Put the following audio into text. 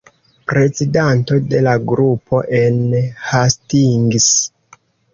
Prezidanto de la grupo en Hastings.